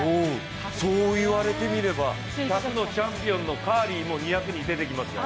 そう言われてみれば、１００のチャンピオンのカーリーも２００に出てきますよ。